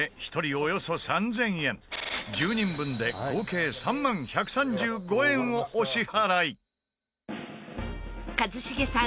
およそ３０００円１０人分で合計３万１３５円をお支払い一茂さん